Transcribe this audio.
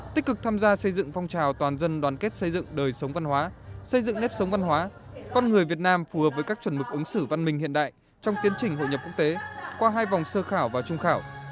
tích cực tham gia xây dựng phong trào toàn dân đoàn kết xây dựng đời sống văn hóa xây dựng nếp sống văn hóa con người việt nam phù hợp với các chuẩn mực ứng xử văn minh hiện đại trong tiến trình hội nhập quốc tế qua hai vòng sơ khảo và trung khảo